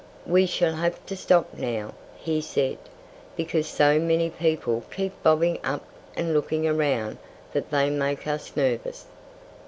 "We shall have to stop now," he said, "because so many people keep bobbing up and looking around that they make us nervous.